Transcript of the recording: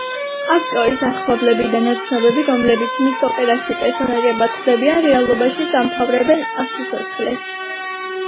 ავტორის ახლობლები და ნაცნობები, რომლებიც მის ოპერაში პერსონაჟებად ხვდებიან, რეალობაშიც ამთავრებენ სიცოცხლეს.